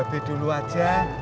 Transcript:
bebe dulu aja